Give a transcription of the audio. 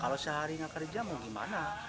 kalau sehari nggak kerja mau gimana